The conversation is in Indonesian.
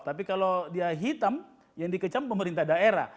tapi kalau dia hitam yang dikecam pemerintah daerah